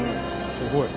すごい。